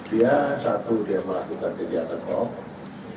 dia satu dia melakukan kegiatan rock